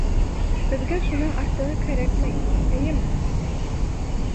Беҙгә шунан артығы кәрәкмәй, эйеме?